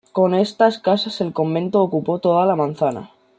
Con estas casas el convento ocupó toda la manzana.